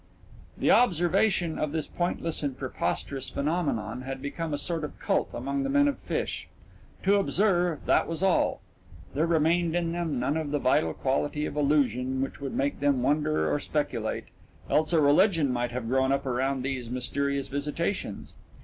The observation of this pointless and preposterous phenomenon had become a sort of cult among the men of Fish. To observe, that was all; there remained in them none of the vital quality of illusion which would make them wonder or speculate, else a religion might have grown up around these mysterious visitations.